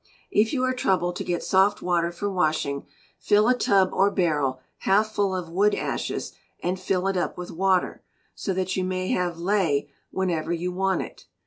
If you are troubled to get soft water for Washing, fill a tub or barrel half full of wood ashes, and fill it up with water, so that you may have ley whenever you want it.